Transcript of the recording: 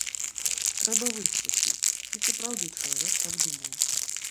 Трэба высветліць, ці сапраўды чалавек так думае.